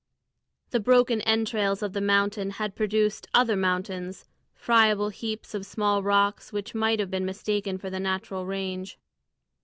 The broken entrails of the mountain had produced other mountains, friable heaps of small rocks which might have been mistaken for the natural range.